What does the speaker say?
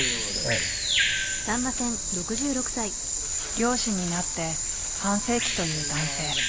漁師になって半世紀という男性。